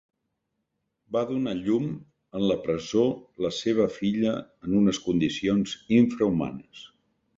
Va donar a llum en la presó la seva filla en unes condicions infrahumanes.